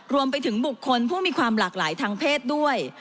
รวมไปถึงบุคคลผู้มีความหลากหลายทางเพศด้วย